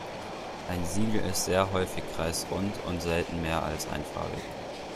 Ein Siegel ist sehr häufig kreisrund und selten mehr als einfarbig.